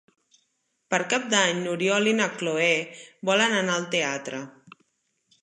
Per Cap d'Any n'Oriol i na Cloè volen anar al teatre.